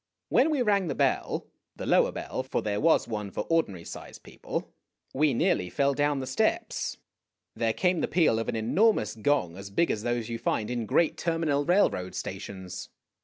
When we rang the bell, the lower bell, for there was one for ordinary sized people, we nearly fell down the steps. There came the peal of an enormous gong as big as those you find in great terminal railroad stations.